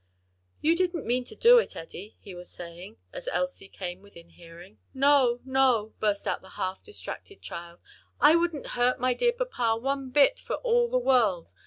"You didn't mean to do it, Eddie," he was saying, as Elsie came within hearing. "No, no," burst out the half distracted child, "I wouldn't hurt my dear papa one bit for all the world!